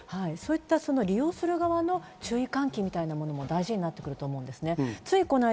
利用する側の注意喚起みたいなものも大事になってくると思うんですね。